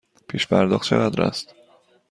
پیش پرداخت چقدر است؟